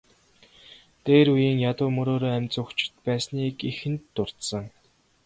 Дээр үеийн ядуу мөрөөрөө амь зуугчид байсныг эхэнд дурдсан.